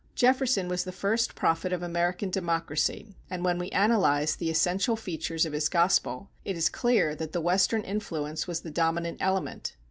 Jefferson was the first prophet of American democracy, and when we analyse the essential features of his gospel, it is clear that the Western influence was the dominant element.